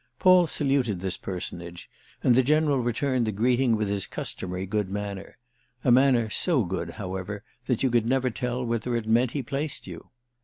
Paul saluted this personage, and the General returned the greeting with his customary good manner—a manner so good, however, that you could never tell whether it meant he placed you.